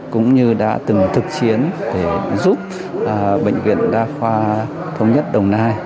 cũng như đã từng thực chiến để giúp bệnh viện đa khoa thống nhất đồng nai